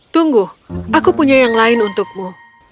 tunggu aku punya yang lain untukmu